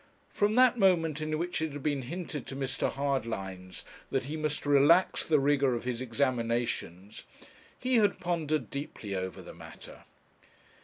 From that moment in which it had been hinted to Mr. Hardlines that he must relax the rigour of his examinations, he had pondered deeply over the matter.